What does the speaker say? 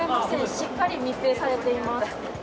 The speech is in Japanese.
しっかり密閉されています。